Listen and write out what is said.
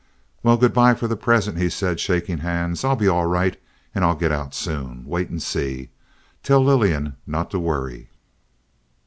"Well, good by for the present," he said, shaking hands. "I'll be all right and I'll get out soon. Wait and see. Tell Lillian not to worry."